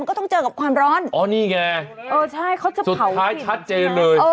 กับความร้อนอ๋อนี่ไงเออใช่เขาจะเผาสุดท้ายชัดเจนเลยเออ